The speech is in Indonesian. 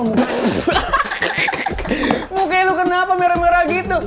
bukan lu kenapa merah merah gitu